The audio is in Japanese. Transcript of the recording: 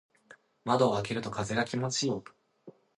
窓を開けると風が気持ちいい。